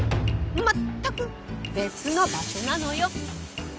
まったく別の場所なのよ。